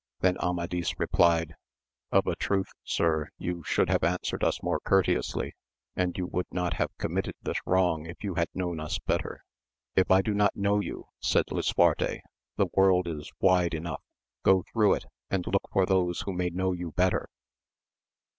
Then Amadis replied, Of a truth sir you should [have answered us more courteously, and you would not have committed this wrong if you had known us better. If I do not know you, said Lisuarte, the world is wide enough ; go through it, and look for those who may know you better.